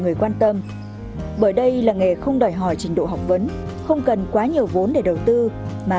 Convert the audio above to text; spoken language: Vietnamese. người quan tâm bởi đây là nghề không đòi hỏi trình độ học vấn không cần quá nhiều vốn để đầu tư mà